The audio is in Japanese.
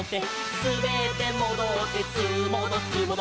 「すべってもどってすーもどすーもど」